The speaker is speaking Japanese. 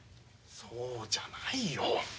そうじゃないよ。